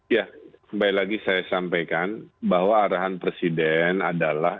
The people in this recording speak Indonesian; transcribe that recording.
ya kembali lagi saya sampaikan bahwa arahan presiden adalah